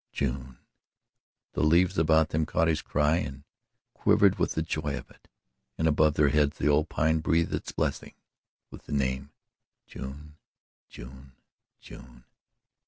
"June!" The leaves about them caught his cry and quivered with the joy of it, and above their heads the old Pine breathed its blessing with the name June June June.